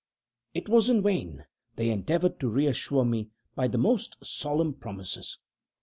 It was in vain they endeavored to reassure me by the most solemn promises.